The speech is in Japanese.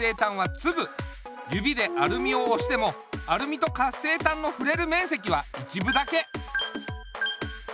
指でアルミをおしてもアルミと活性炭のふれるめんせきは一部だけ。